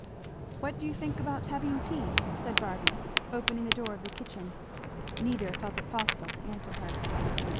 "What do you think about having tea?" said Barby opening the door of the kitchen. Neither felt it possible to answer her.